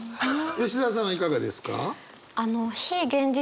吉澤さんはいかがですか？